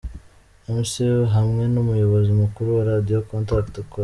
Mc P hamwe n'umuyobozi mukuru wa Radio contact akorera.